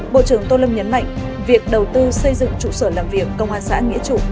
bộ trưởng tô lâm nhấn mạnh việc đầu tư xây dựng trụ sở làm việc công an xã nghĩa trụ